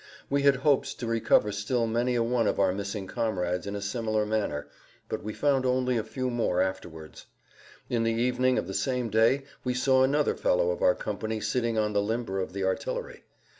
We had hopes to recover still many a one of our missing comrades in a similar manner, but we found only a few more afterwards. In the evening of the same day we saw another fellow of our company sitting on the limber of the artillery.